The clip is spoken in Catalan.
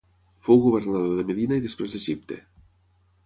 Fou governador de Medina i després d'Egipte.